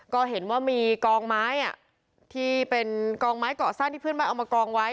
ก็เห็นว่ามีกองไม้ที่เป็นกองไม้เกาะสั้นที่เพื่อนบ้านเอามากองไว้